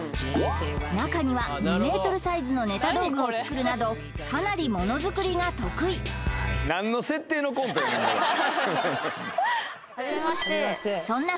中には２ｍサイズのネタ道具を作るなどかなり物作りが得意そんな